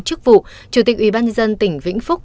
chức vụ chủ tịch ubnd tỉnh vĩnh phúc